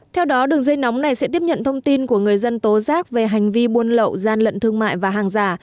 theo đó đường dây nóng này sẽ tiếp nhận thông tin của người dân tố giác về hành vi buôn lậu gian lận thương mại và hàng giả